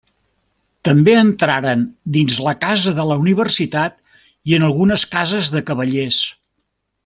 També entraren dins la Casa de la Universitat i en algunes cases de cavallers.